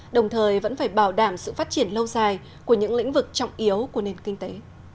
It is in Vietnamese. đồng thời vẫn phải bảo đảm sự phát triển lâu dài của những lĩnh vực trọng yếu của nền kinh tế